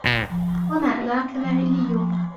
وَمَا أَدْرَاكَ مَا عِلِّيُّونَ